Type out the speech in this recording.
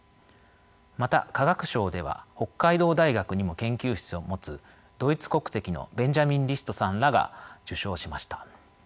また化学賞では北海道大学にも研究室を持つドイツ国籍のベンジャミン・リストさんらが受賞しました。